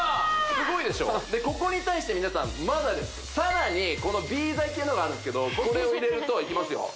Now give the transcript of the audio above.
すごいでしょでここに対して皆さんまだですさらにこのＢ剤っていうのがあるんですけどこれを入れるといきますよ